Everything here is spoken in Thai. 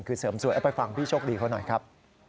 คือเสริมสวยเอาไปฟังพี่โชคดีเขาหน่อยครับ